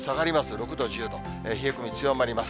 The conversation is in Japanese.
６度、１０度、冷え込み強まります。